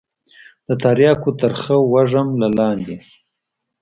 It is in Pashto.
د ترياكو ترخه وږم له لاندې.